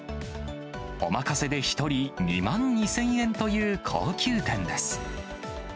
お任せで１人２万２０００円という高級店です。